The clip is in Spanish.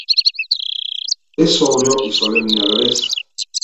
Es sobrio y solemne a la vez.